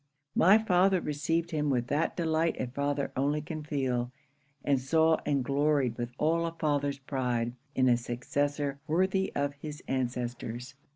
My father received him with that delight a father only can feel; and saw and gloried with all a father's pride, in a successor worthy of his ancestors.